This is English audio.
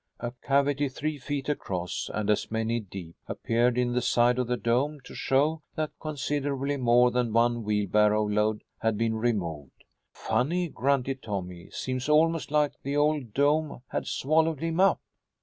A cavity three feet across, and as many deep, appeared in the side of the dome to show that considerably more than one wheelbarrow load had been removed. "Funny," grunted Tommy. "Seems almost like the old dome had swallowed him up."